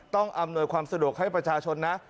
อำนวยความสะดวกให้ประชาชนนะ